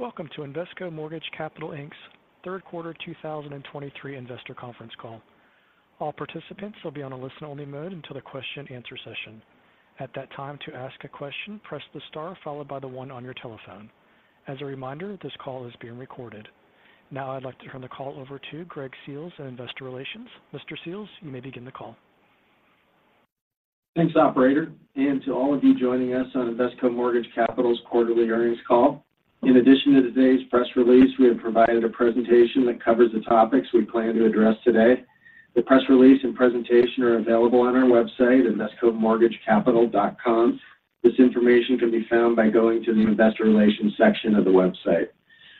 Welcome to Invesco Mortgage Capital Inc.'s Third Quarter 2023 investor Conference Call. All participants will be on a listen-only mode until the question and answer session. At that time, to ask a question, press the star followed by the one on your telephone. As a reminder, this call is being recorded. Now I'd like to turn the call over to Greg Seals in Investor Relations. Mr. Seals, you may begin the call. Thanks, operator, and to all of you joining us on Invesco Mortgage Capital's quarterly earnings call. In addition to today's press release, we have provided a presentation that covers the topics we plan to address today. The press release and presentation are available on our website, invescomortgagecapital.com. This information can be found by going to the Investor Relations section of the website.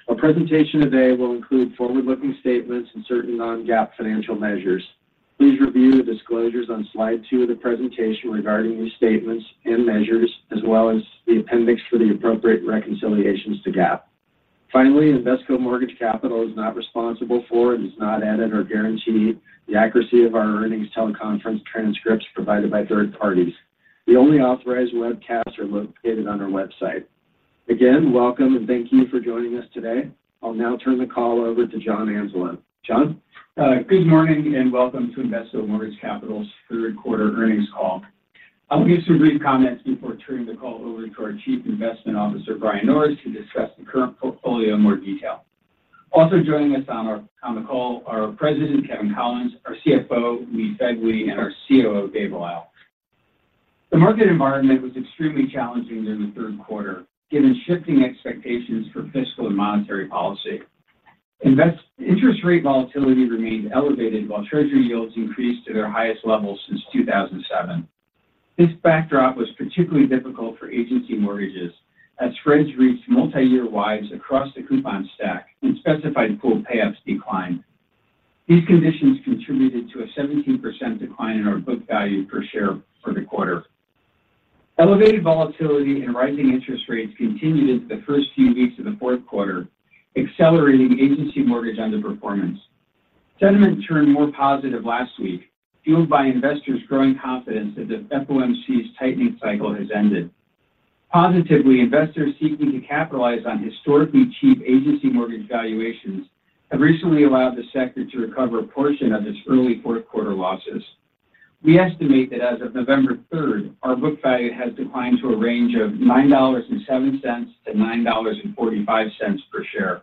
Our presentation today will include forward-looking statements and certain non-GAAP financial measures. Please review the disclosures on slide two of the presentation regarding these statements and measures, as well as the appendix for the appropriate reconciliations to GAAP. Finally, Invesco Mortgage Capital is not responsible for and does not edit or guarantee the accuracy of our earnings teleconference transcripts provided by third parties. The only authorized webcasts are located on our website. Again, welcome, and thank you for joining us today. I'll now turn the call over to John Anzalone. John? Good morning, and welcome to Invesco Mortgage Capital's third quarter earnings call. I'll give some brief comments before turning the call over to our Chief Investment Officer, Brian Norris, to discuss the current portfolio in more detail. Also joining us on the call are President Kevin Collins, our CFO, Lee Begley, and our COO, Dave Lyle. The market environment was extremely challenging during the third quarter, given shifting expectations for fiscal and monetary policy. Interest rate volatility remained elevated while Treasury yields increased to their highest levels since 2007. This backdrop was particularly difficult for agency mortgages as spreads reached multiyear wides across the coupon stack and specified pool payoffs declined. These conditions contributed to a 17% decline in our book value per share for the quarter. Elevated volatility and rising interest rates continued into the first few weeks of the fourth quarter, accelerating agency mortgage underperformance. Sentiment turned more positive last week, fueled by investors' growing confidence that the FOMC's tightening cycle has ended. Positively, investors seeking to capitalize on historically cheap agency mortgage valuations have recently allowed the sector to recover a portion of its early fourth quarter losses. We estimate that as of November third, our book value has declined to a range of $9.07-$9.45 per share.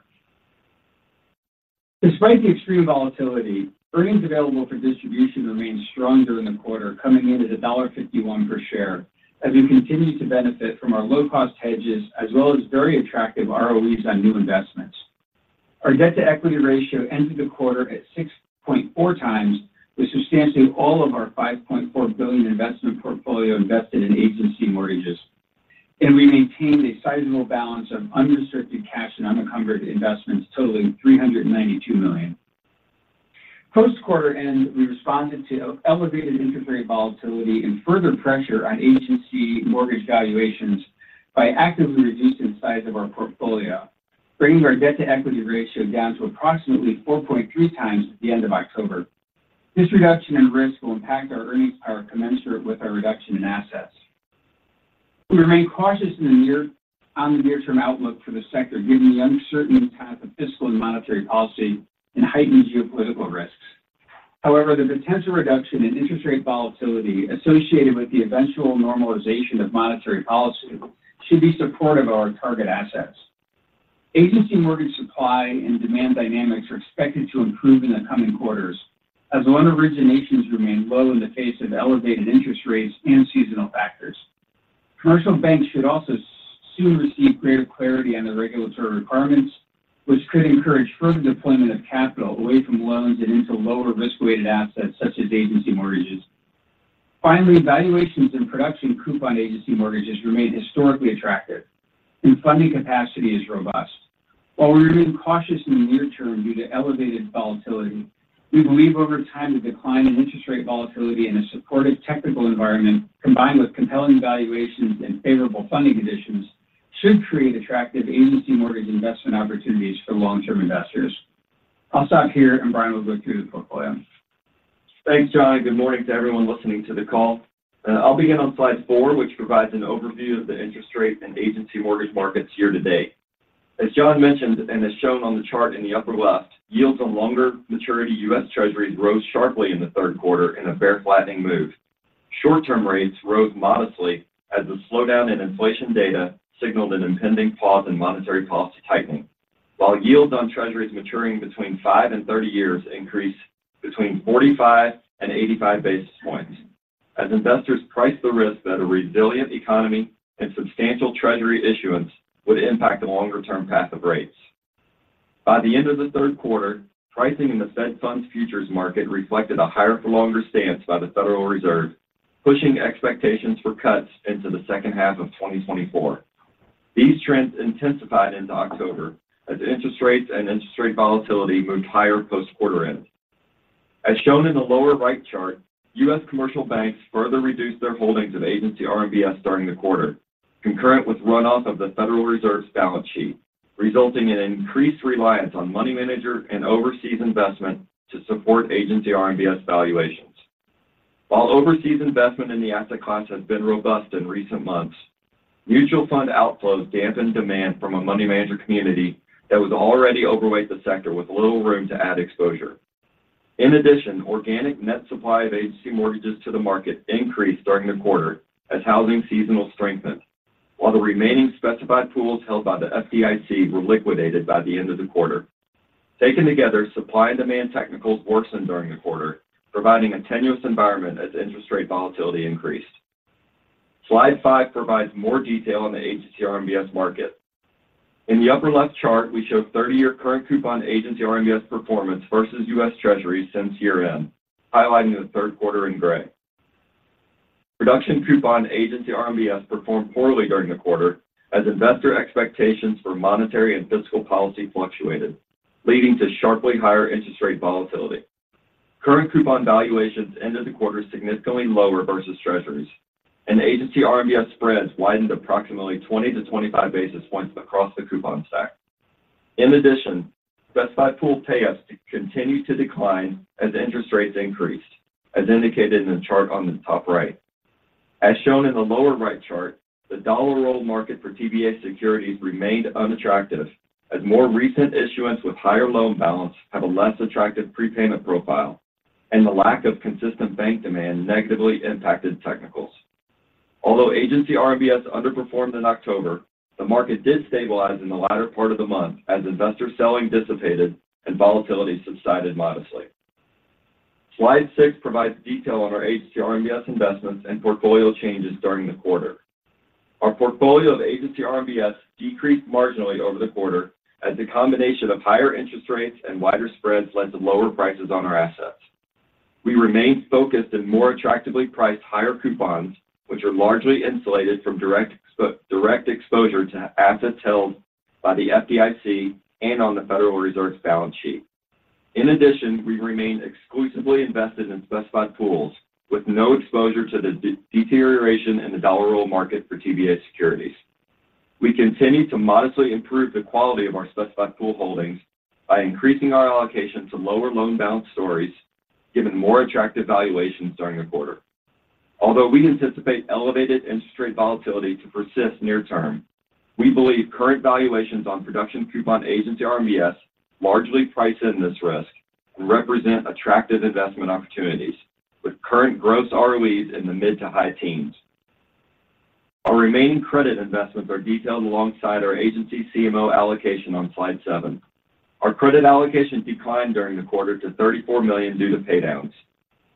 Despite the extreme volatility, earnings available for distribution remained strong during the quarter, coming in at $1.51 per share, as we continue to benefit from our low-cost hedges as well as very attractive ROEs on new investments. Our debt-to-equity ratio ended the quarter at 6.4x, with substantially all of our $5.4 billion investment portfolio invested in agency mortgages, and we maintained a sizable balance of unrestricted cash and unencumbered investments totaling $392 million. Post-quarter end, we responded to elevated interest rate volatility and further pressure on agency mortgage valuations by actively reducing the size of our portfolio, bringing our debt-to-equity ratio down to approximately 4.3x at the end of October. This reduction in risk will impact our earnings power commensurate with our reduction in assets. We remain cautious on the near-term outlook for the sector, given the uncertainty in path of fiscal and monetary policy and heightened geopolitical risks. However, the potential reduction in interest rate volatility associated with the eventual normalization of monetary policy should be supportive of our target assets. Agency mortgage supply and demand dynamics are expected to improve in the coming quarters as loan originations remain low in the face of elevated interest rates and seasonal factors. Commercial banks should also soon receive greater clarity on the regulatory requirements, which could encourage further deployment of capital away from loans and into lower risk-weighted assets, such as agency mortgages. Finally, valuations in production coupon agency mortgages remain historically attractive, and funding capacity is robust. While we remain cautious in the near term due to elevated volatility, we believe over time, the decline in interest rate volatility and a supportive technical environment, combined with compelling valuations and favorable funding conditions, should create attractive agency mortgage investment opportunities for long-term investors. I'll stop here, and Brian will go through the portfolio. Thanks, John, and good morning to everyone listening to the call. I'll begin on slide four, which provides an overview of the interest rate and agency mortgage markets year to date. As John mentioned and is shown on the chart in the upper left, yields on longer maturity U.S. Treasuries rose sharply in the third quarter in a bear flattening move. Short-term rates rose modestly as the slowdown in inflation data signaled an impending pause in monetary policy tightening, while yields on Treasuries maturing between five and 30 years increased between 45 and 85 basis points as investors priced the risk that a resilient economy and substantial Treasury issuance would impact the longer-term path of rates. By the end of the third quarter, pricing in the Fed Funds Futures market reflected a higher for longer stance by the Federal Reserve, pushing expectations for cuts into the second half of 2024. These trends intensified into October, as interest rates and interest rate volatility moved higher post-quarter end. As shown in the lower right chart, U.S. commercial banks further reduced their holdings of agency RMBS during the quarter, concurrent with runoff of the Federal Reserve's balance sheet, resulting in increased reliance on money manager and overseas investment to support agency RMBS valuation.... While overseas investment in the asset class has been robust in recent months, mutual fund outflows dampened demand from a money manager community that was already overweight the sector with little room to add exposure. In addition, organic net supply of Agency mortgages to the market increased during the quarter as housing seasonality strengthened, while the remaining specified pools held by the FDIC were liquidated by the end of the quarter. Taken together, supply and demand technicals worsened during the quarter, providing a tenuous environment as interest rate volatility increased. Slide five provides more detail on the agency RMBS market. In the upper left chart, we show 30-year current coupon agency RMBS performance versus U.S. Treasury since year-end, highlighting the third quarter in gray. Production coupon agency RMBS performed poorly during the quarter as investor expectations for monetary and fiscal policy fluctuated, leading to sharply higher interest rate volatility. Current coupon valuations ended the quarter significantly lower versus Treasuries, and agency RMBS spreads widened approximately 20-25 basis points across the coupon stack. In addition, Specified Pool payoffs continued to decline as interest rates increased, as indicated in the chart on the top right. As shown in the lower right chart, the Dollar Roll market for TBA Securities remained unattractive as more recent issuance with higher loan balance have a less attractive prepayment profile, and the lack of consistent bank demand negatively impacted technicals. Although agency RMBS underperformed in October, the market did stabilize in the latter part of the month as investor selling dissipated and volatility subsided modestly. Slide six provides detail on our agency RMBS investments and portfolio changes during the quarter. Our portfolio of agency RMBS decreased marginally over the quarter as a combination of higher interest rates and wider spreads led to lower prices on our assets. We remained focused in more attractively priced higher coupons, which are largely insulated from direct exposure to assets held by the FDIC and on the Federal Reserve's balance sheet. In addition, we remain exclusively invested in specified pools, with no exposure to the deterioration in the Dollar Roll market for TBA securities. We continue to modestly improve the quality of our specified pool holdings by increasing our allocation to lower loan balance stories, given more attractive valuations during the quarter. Although we anticipate elevated interest rate volatility to persist near term, we believe current valuations on production coupon agency RMBS largely price in this risk and represent attractive investment opportunities, with current gross ROEs in the mid to high teens. Our remaining credit investments are detailed alongside our Agency CMO allocation on slide seven. Our credit allocation declined during the quarter to $34 million due to pay downs.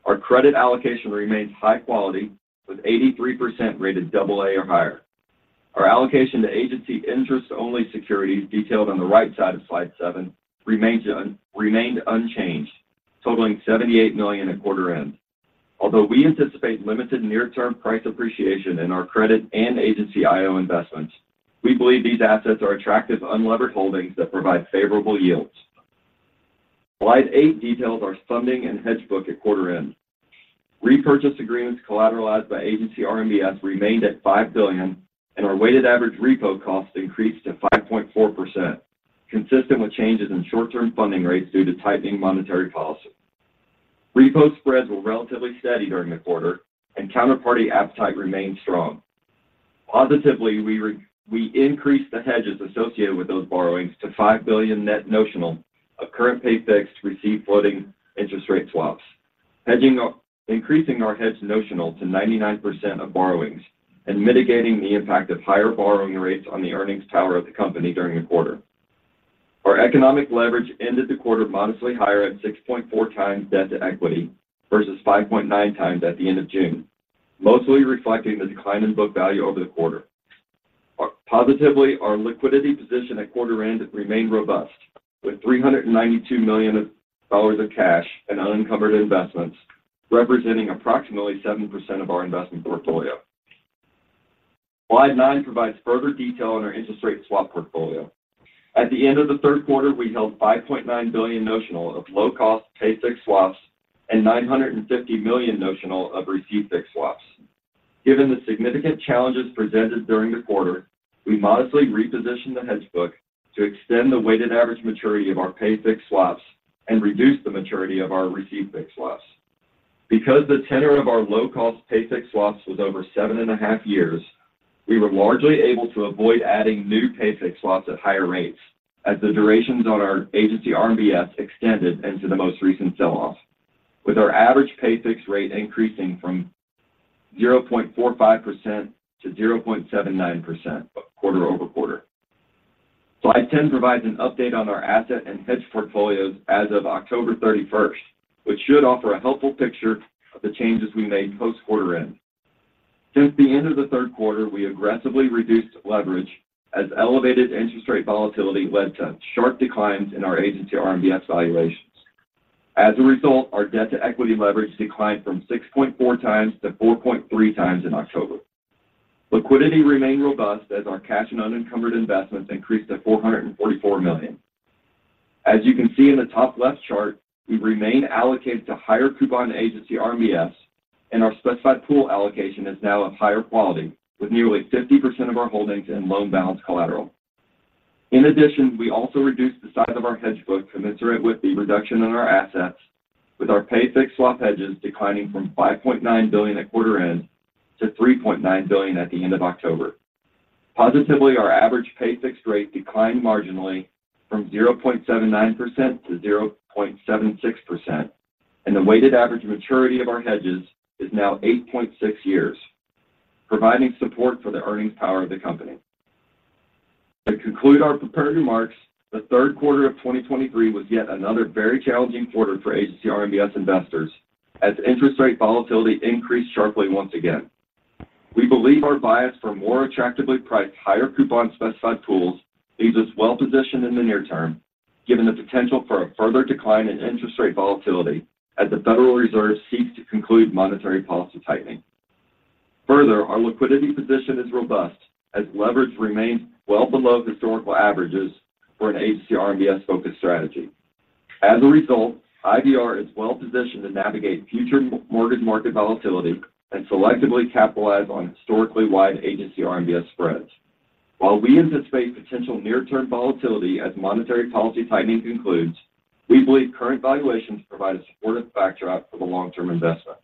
Our credit allocation remains high quality, with 83% rated double A or higher. Our allocation to agency interest-only securities, detailed on the right side of slide seven, remained unchanged, totaling $78 million at quarter end. Although we anticipate limited near-term price appreciation in our credit and agency IO investments, we believe these assets are attractive, unlevered holdings that provide favorable yields. Slide eight details our funding and hedge book at quarter end. Repurchase agreements collateralized by agency RMBS remained at $5 billion, and our weighted average repo cost increased to 5.4%, consistent with changes in short-term funding rates due to tightening monetary policy. Repo spreads were relatively steady during the quarter, and counterparty appetite remained strong. Positively, we increased the hedges associated with those borrowings to 5 billion net notional of current pay fixed receive floating interest rate swaps, hedging, increasing our hedge notional to 99% of borrowings and mitigating the impact of higher borrowing rates on the earnings power of the company during the quarter. Our economic leverage ended the quarter modestly higher at 6.4x debt to equity versus 5.9x at the end of June, mostly reflecting the decline in book value over the quarter. Positively, our liquidity position at quarter end remained robust, with $392 million of cash and unencumbered investments, representing approximately 7% of our investment portfolio. Slide nine provides further detail on our interest rate swap portfolio. At the end of the third quarter, we held $5.9 billion notional of low-cost Pay-Fixed Swaps and $950 million notional of Receive-Fixed Swaps. Given the significant challenges presented during the quarter, we modestly repositioned the hedge book to extend the Weighted Average Maturity of our Pay-Fixed Swaps and reduce the maturity of our Receive-Fixed Swaps. Because the tenor of our low-cost Pay-Fixed Swaps was over 7.5 years, we were largely able to avoid adding new Pay-Fixed Swaps at higher rates, as the durations on our agency RMBS extended into the most recent sell-off, with our average Pay-Fixed Swap rate increasing from 0.45% to 0.79% quarter-over-quarter. Slide 10 provides an update on our asset and hedge portfolios as of October 31st, which should offer a helpful picture of the changes we made post-quarter end. Since the end of the third quarter, we aggressively reduced leverage as elevated interest rate volatility led to sharp declines in our agency RMBS valuations. As a result, our debt-to-equity leverage declined from 6.4x to 4.3x in October. Liquidity remained robust as our cash and unencumbered investments increased to $444 million. As you can see in the top left chart, we remain allocated to higher coupon agency RMBS, and our specified pool allocation is now of higher quality, with nearly 50% of our holdings in loan balance collateral.... In addition, we also reduced the size of our hedge book commensurate with the reduction in our assets, with our pay-fixed swap hedges declining from $5.9 billion at quarter end to $3.9 billion at the end of October. Positively, our average pay-fixed rate declined marginally from 0.79% to 0.76%, and the weighted average maturity of our hedges is now 8.6 years, providing support for the earnings power of the company. To conclude our prepared remarks, the third quarter of 2023 was yet another very challenging quarter for agency RMBS investors as interest rate volatility increased sharply once again. We believe our bias for more attractively priced, higher coupon specified pools leaves us well positioned in the near term, given the potential for a further decline in interest rate volatility as the Federal Reserve seeks to conclude monetary policy tightening. Further, our liquidity position is robust, as leverage remains well below historical averages for an agency RMBS-focused strategy. As a result, IVR is well positioned to navigate future mortgage market volatility and selectively capitalize on historically wide agency RMBS spreads. While we anticipate potential near-term volatility as monetary policy tightening concludes, we believe current valuations provide a supportive backdrop for the long-term investment.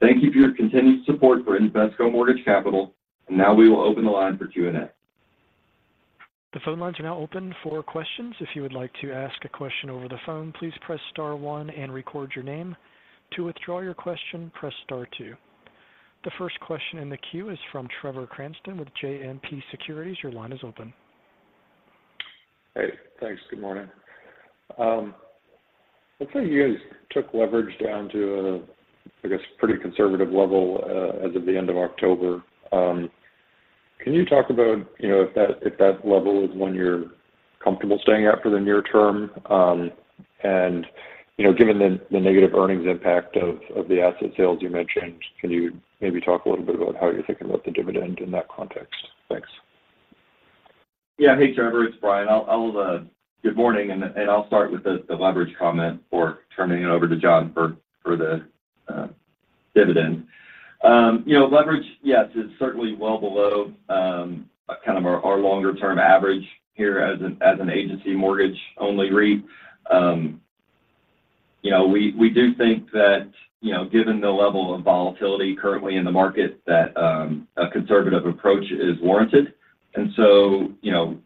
Thank you for your continued support for Invesco Mortgage Capital, and now we will open the line for Q&A. The phone lines are now open for questions. If you would like to ask a question over the phone, please press star one and record your name. To withdraw your question, press star two. The first question in the queue is from Trevor Cranston with JMP Securities. Your line is open. Hey, thanks. Good morning. It looks like you guys took leverage down to a, I guess, pretty conservative level, as of the end of October. Can you talk about, you know, if that level is one you're comfortable staying at for the near term? And, you know, given the negative earnings impact of the asset sales you mentioned, can you maybe talk a little bit about how you're thinking about the dividend in that context? Thanks. Yeah. Hey, Trevor, it's Brian. Good morning, and I'll start with the leverage comment before turning it over to John for the dividend. You know, leverage, yes, is certainly well below kind of our longer term average here as an agency mortgage-only REIT. You know, we do think that, you know, given the level of volatility currently in the market, that a conservative approach is warranted. And so, you know,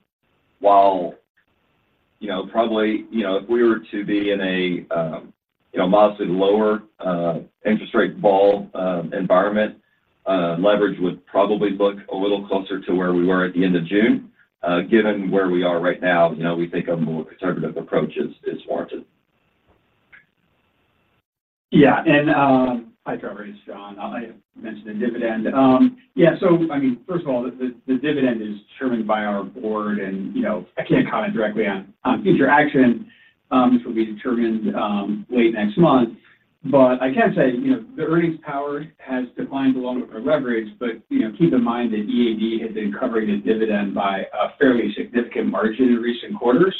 while, you know, probably, you know, if we were to be in a modestly lower interest rate vol environment, leverage would probably look a little closer to where we were at the end of June. Given where we are right now, you know, we think a more conservative approach is warranted. Yeah, and, hi, Trevor, it's John. I mentioned the dividend. Yeah, so I mean, first of all, the dividend is determined by our board, and, you know, I can't comment directly on future action. This will be determined late next month. But I can say, you know, the earnings power has declined along with our leverage, but, you know, keep in mind that EAD has been covering the dividend by a fairly significant margin in recent quarters.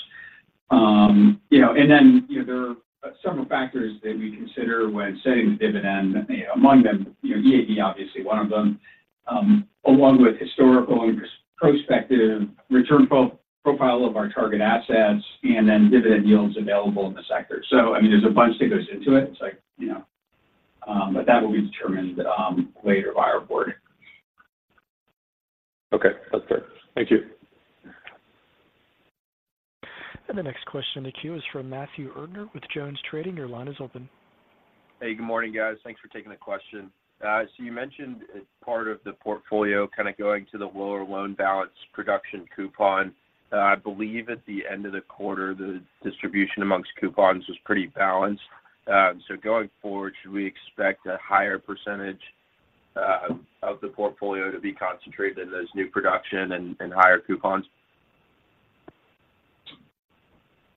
You know, and then, you know, there are several factors that we consider when setting the dividend. Among them, you know, EAD obviously one of them, along with historical and prospective return profile of our target assets and then dividend yields available in the sector. So, I mean, there's a bunch that goes into it. It's like, you know, but that will be determined later by our board. Okay. That's fair. Thank you. The next question in the queue is from Matthew Erdner with JonesTrading. Your line is open. Hey, good morning, guys. Thanks for taking the question. So you mentioned as part of the portfolio, kind of going to the lower loan balance production coupon. I believe at the end of the quarter, the distribution among coupons was pretty balanced. So going forward, should we expect a higher percentage of the portfolio to be concentrated in those new production and higher coupons?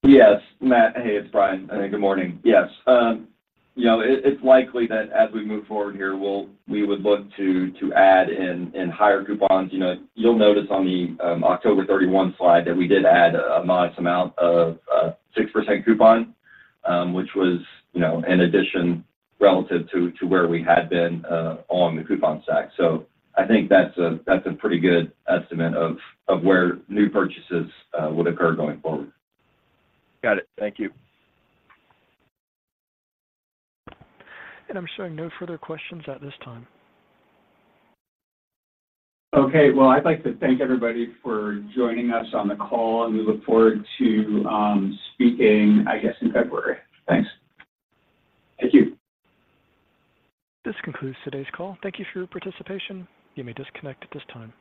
Yes, Matt. Hey, it's Brian. Good morning. Yes, you know, it, it's likely that as we move forward here, we'll- we would look to, to add in, in higher coupons. You know, you'll notice on the, October 31, slide that we did add a modest amount of, 6% coupon, which was, you know, an addition relative to, to where we had been, on the coupon stack. So I think that's a, that's a pretty good estimate of, of where new purchases, would occur going forward. Got it. Thank you. I'm showing no further questions at this time. Okay. Well, I'd like to thank everybody for joining us on the call, and we look forward to speaking, I guess, in February. Thanks. Thank you. This concludes today's call. Thank you for your participation. You may disconnect at this time.